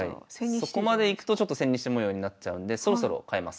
そこまでいくと千日手模様になっちゃうんでそろそろ変えます。